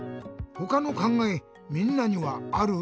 ほかのかんがえみんなにはある？